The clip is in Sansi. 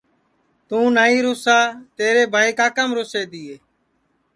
توں نائی روسا تیرے بھائی کاکام روسے تیے